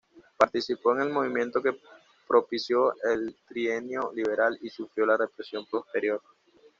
Participó en el movimiento que propició el Trienio Liberal y sufrió la represión posterior.